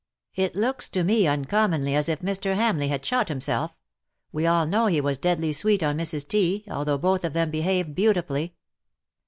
" It looks to me uncommonly as if Mr. Hamleigh had shot himself. AVe all know he was deadly sweet on Mrs. T._, although both of them behaved beautifully.''